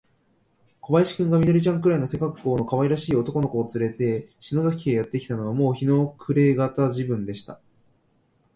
小林君が、緑ちゃんくらいの背かっこうのかわいらしい男の子をつれて、篠崎家へやってきたのは、もう日の暮れがた時分でした。